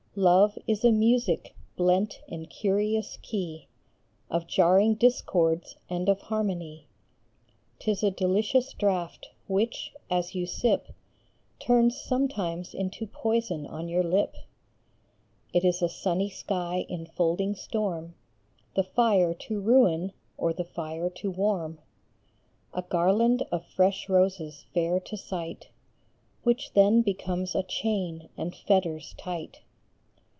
Love is a music, blent in curious key Of jarring discords and of harmony ; T is a delicious draught which, as you sip, Turns sometimes into poison on your lip. It is a sunny sky infolding storm, The fire to ruin or the fire to warm ; A garland of fresh roses fair to sight, Which then becomes a chain and fetters tight.